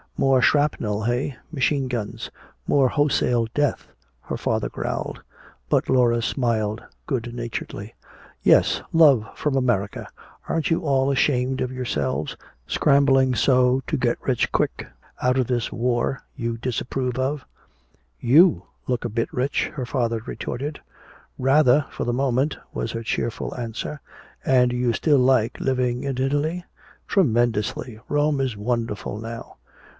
"More shrapnel, eh, machine guns. More wholesale death," her father growled. But Laura smiled good naturedly. "Yes, love, from America. Aren't you all ashamed of yourselves scrambling so, to get rich quick out of this war you disapprove of." "You look a bit rich," her father retorted. "Rather for the moment," was her cheerful answer. "And you still like living in Italy?" "Tremendously! Rome is wonderful now!"